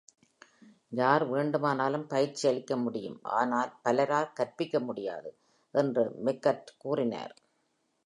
"யார் வேண்டுமானாலும் பயிற்சியளிக்க முடியும், ஆனால் பலரால் கற்பிக்க முடியாது" என்று மெக்கர்ட் கூறினார்.